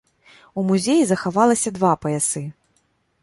У музеі захавалася два паясы.